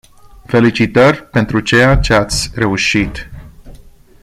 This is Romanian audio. Felicitări pentru ceea ce ați reușit.